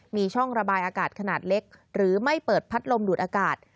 มีช่องระบายอากาศขนาดเล็กหรือไม่เปิดพัดลมดูดอากาศ